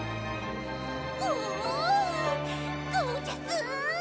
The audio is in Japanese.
おゴージャス！